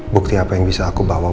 bukti apa yang bisa aku bawa